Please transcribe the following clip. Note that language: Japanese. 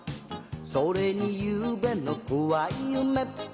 「それにゆうべのこわいゆめ」